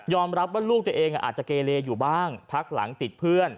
รับว่าลูกตัวเองอาจจะเกเลอยู่บ้างพักหลังติดเพื่อน